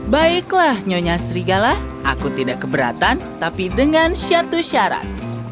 baiklah nyonya serigala aku tidak keberatan tapi dengan satu syarat